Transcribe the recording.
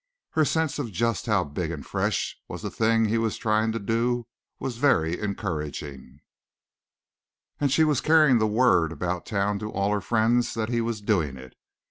Her sense of just how big and fresh was the thing he was trying to do was very encouraging, and she was carrying the word about town to all her friends that he was doing it.